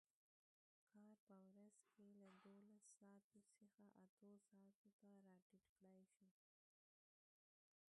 کار په ورځ کې له دولس ساعتو څخه اتو ساعتو ته راټیټ کړای شو.